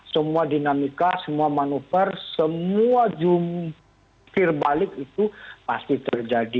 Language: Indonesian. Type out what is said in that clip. semua dinamika semua manuver semua jumfir balik itu pasti terjadi